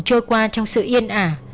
chơi qua trong sự yên ả